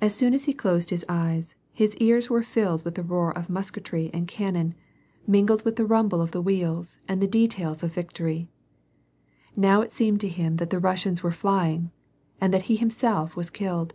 As soon as he closed his ^je%, his ears were filled with the roar of musketry and cannon, VOL. 1. — 12. 178 WAR AXD PEACE. mingling with the rumble of the wheels and the details of the victory. Now it seemed to him that the Russians were flying, and that he himself was killed.